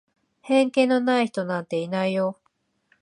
偏見のない人なんていないよ。